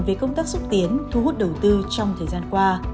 về công tác xúc tiến thu hút đầu tư trong thời gian qua